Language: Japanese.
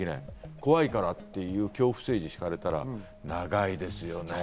怖いからっていう恐怖政治になったら長いですよね。